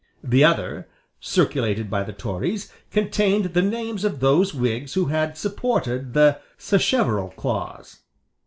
The other, circulated by the Tories, contained the names of those Whigs who had supported the Sacheverell clause.